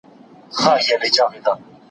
استاد وویل چي خپله انشا سمه کړه.